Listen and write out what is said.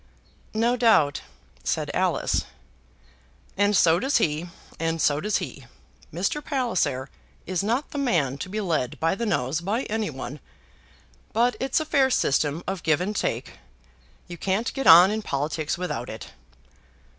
"No doubt," said Alice. "And so does he; and so does he. Mr. Palliser is not the man to be led by the nose by any one. But it's a fair system of give and take. You can't get on in politics without it.